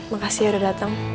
makasih udah dateng